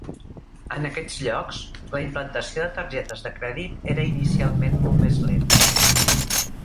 En aquests llocs, la implantació de targetes de crèdit era inicialment molt més lent.